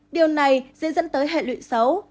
điều này sẽ dẫn tới hệ lụy xấu